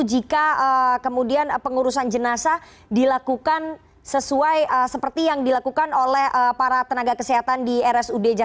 jika kemudian pengurusan jenazah dilakukan sesuai seperti yang dilakukan oleh para tenaga kesehatan di rsud